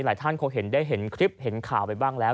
หลายท่านคงได้เห็นคลิปเห็นข่าวไปบ้างแล้ว